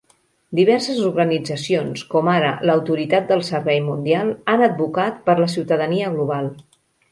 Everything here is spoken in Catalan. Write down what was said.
Diverses organitzacions, com ara l'Autoritat del Servei Mundial, han advocat per la ciutadania global.